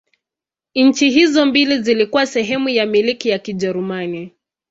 Nchi hizo mbili zilikuwa sehemu ya Milki ya Kijerumani.